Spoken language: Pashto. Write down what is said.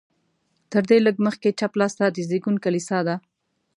تر دې لږ مخکې چپ لاس ته د زېږون کلیسا ده.